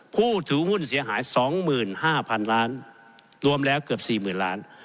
ผู้ถือหุ้นเสียหายสองหมื่นห้าพันล้านรวมแล้วเกือบสี่หมื่นล้าน